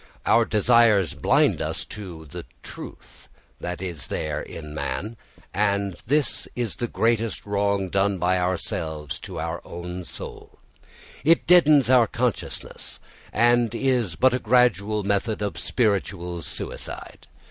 Our desires blind us to the truth that there is in man, and this is the greatest wrong done by ourselves to our own soul. It deadens our consciousness, and is but a gradual method of spiritual suicide.